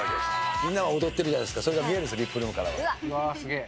みんなが踊ってるじゃないですか、それが見えるんです、ＶＩＰルーうわ、すげえ。